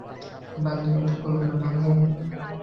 বাজে কথা বলবি না, ভাল্লাগে না।